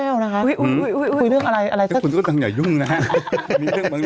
สวัสดีครับ